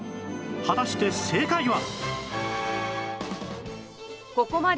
果たして正解は？